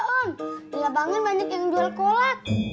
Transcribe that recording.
want to labangan banyak yang dua cola